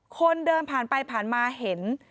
คนเดินผ่านไปผ่านมาเห็น